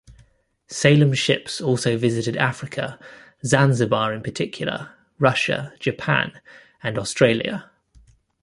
Salem ships also visited Africa - Zanzibar in particular, Russia, Japan, and Australia.